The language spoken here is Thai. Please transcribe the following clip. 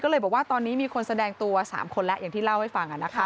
ก็เลยบอกว่าตอนนี้มีคนแสดงตัว๓คนแล้วอย่างที่เล่าให้ฟัง